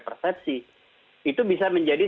persepsi itu bisa menjadi